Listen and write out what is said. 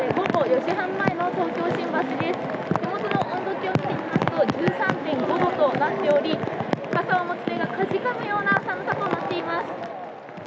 手元の温度計を見てみますと、１３．５度となっており、傘を持つ手が、かじかむような寒さとなっています。